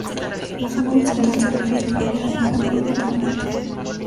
La zona horizontal se refiere al área dañada por un contaminante.